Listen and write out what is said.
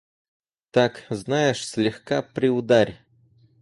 Так, знаешь, слегка приударь.